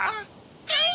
はい！